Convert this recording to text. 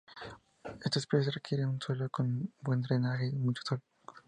Esta especie requiere un suelo con buen drenaje y mucho sol.